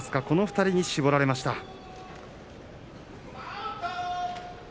この２人に絞られました。